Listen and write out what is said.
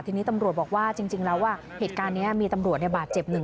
ทีนี้ตำรวจบอกว่าจริงแล้วเหตุการณ์นี้มีตำรวจบาดเจ็บหนึ่ง